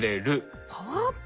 パワーアップ？